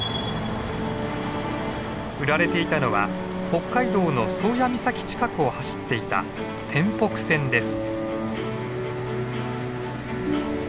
売られていたのは北海道の宗谷岬近くを走っていた天北線です。